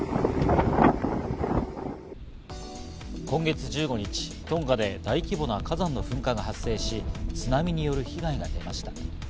今月１５日、トンガで大規模な火山の噴火が発生し、津波による被害がありました。